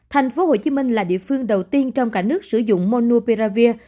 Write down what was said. tp hcm là địa phương đầu tiên trong cả nước sử dụng monopiravir